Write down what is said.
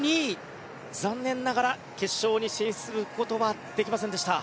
残念ながら決勝に進出することはできませんでした。